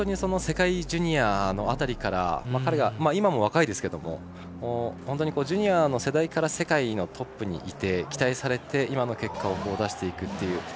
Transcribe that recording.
世界ジュニア辺りから彼が今も若いですがジュニアの世代から世界のトップにいって期待されて今の結果を出していくという。